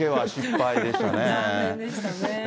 残念でしたね。